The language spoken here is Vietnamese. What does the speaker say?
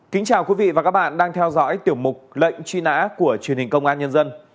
kính chào quý vị và các bạn đang theo dõi tiểu mục lệnh truy nã của truyền hình công an nhân dân